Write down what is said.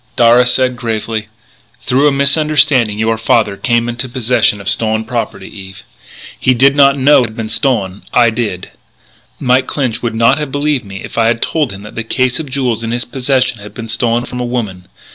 Darragh said, gravely: "Through a misunderstanding your father came into possession of stolen property, Eve. He did not know it had been stolen. I did. But Mike Clinch would not have believed me if I had told him that the case of jewels in his possession had been stolen from a woman....